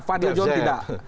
fadil john tidak